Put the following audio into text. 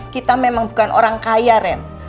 kita memang bukan orang kaya ren